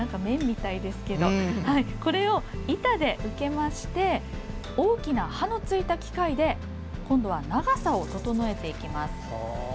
これを板で受けまして大きな刃のついた機械で今度は長さを整えていきます。